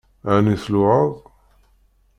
Ɛni tluɛaḍ?